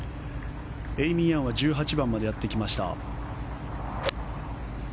エイミー・ヤンは１８番までやってきました。